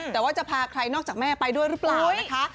แต่ว่าจะพาใครนอกจากแม่ไปด้วยหรือเปล่านะคะ